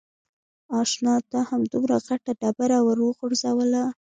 اشنا تا هم دومره غټه ډبره ور و غورځوله.